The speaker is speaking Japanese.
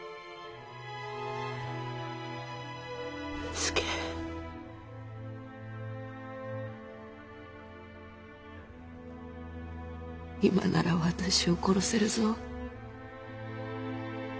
佐今なら私を殺せるぞ？